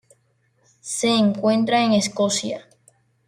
Se encuentra en Escocia.